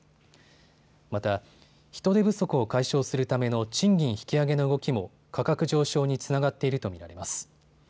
また、人手不足を解消するための賃金引き上げの動きも価格上昇につながっていると見られます。